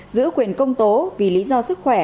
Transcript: giữ quyền công tố vì lý do sức khỏe